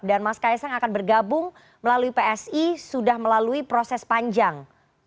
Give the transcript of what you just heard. dan mas kaisang akan bergabung melalui psi sudah melalui proses panjang